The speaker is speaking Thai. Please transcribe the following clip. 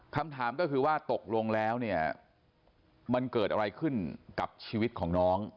คำถามก็คือว่าตกลงแล้วเนี่ยมันเกิดอะไรขึ้นกับชีวิตของน้อง